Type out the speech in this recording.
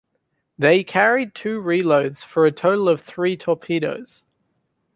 They carried two reloads, for a total of three torpedoes.